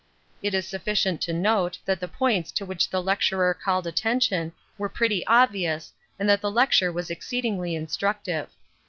It is sufficient to note that the points to which the lecturer called attention were pretty obvious and that the lecture was exceedingly instructive.